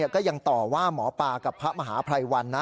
ก็ยังต่อว่าหมอปลากับพระมหาภัยวันนะ